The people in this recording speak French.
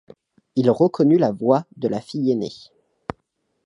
Il reconnut la voix de la fille aînée.